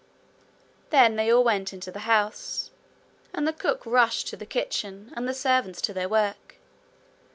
Then they all went into the house, and the cook rushed to the kitchen and the servants to their work.